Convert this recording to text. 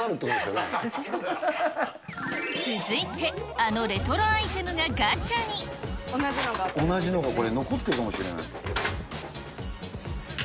続いて、あのレトロアイテム同じのがこれ、残ってるのかもしれない。